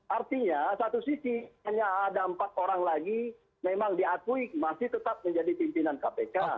artinya satu sisi hanya ada empat orang lagi memang diakui masih tetap menjadi pimpinan kpk